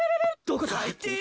「どこだ？」